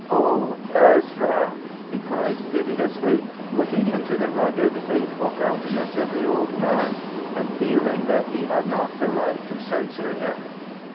"Oh, Ezra!" he cried piteously, looking into the rugged, faithful countenance of the old man, and feeling that he had not the right to censure him.